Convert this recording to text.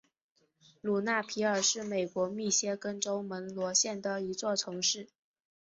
卢纳皮尔是美国密歇根州门罗县的一座城市。